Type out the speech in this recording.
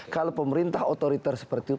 kalau pemerintah otoriter seperti itu